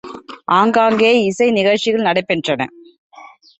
அங்கங்கே இசை நிகழ்ச்சிகள் நடை பெற்றன.